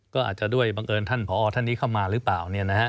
ก็อาจจะด้วยบังเอิญท่านผอท่านนี้เข้ามาหรือเปล่า